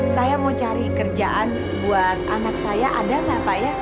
saya mau cari kerjaan buat anak saya ada nggak pak ya